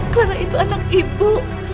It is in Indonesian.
kelara itu anak ibu